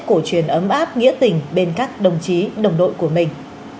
cổ truyền ấm áp nghĩa tình bên các đồng chí đồng đội của mình